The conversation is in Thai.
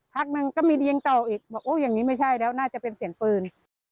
พักนึงก็มีเดียงต่ออีกบอกโอ้อย่างนี้ไม่ใช่แล้วน่าจะเป็นเสียงปืน